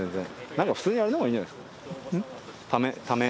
何か普通にあれの方がいいんじゃないですか？